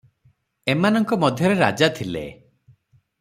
ଏମାନଙ୍କ ମଧ୍ୟରେ ରାଜା ଥିଲେ ।